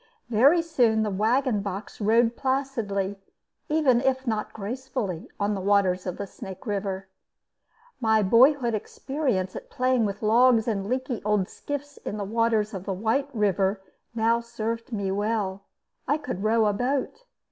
Very soon the wagon box rode placidly, even if not gracefully, on the waters of the Snake River. My boyhood experience at playing with logs and leaky old skiffs in the waters of White River now served me well; I could row a boat.